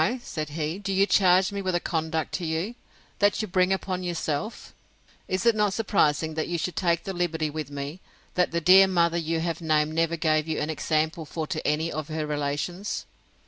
Why, said he, do you charge me with a conduct to you, that you bring upon yourself?—Is it not surprising that you should take the liberty with me, that the dear mother you have named never gave you an example for to any of her relations?